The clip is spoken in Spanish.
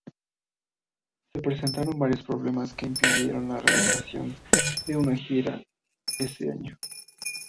Se presentaron varios problemas que impidieron la realización de una gira ese año.